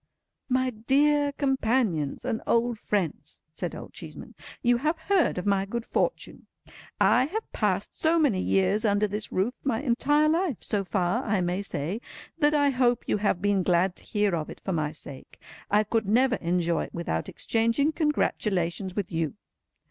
"My dear companions and old friends," said Old Cheeseman, "you have heard of my good fortune. I have passed so many years under this roof—my entire life so far, I may say—that I hope you have been glad to hear of it for my sake. I could never enjoy it without exchanging congratulations with you.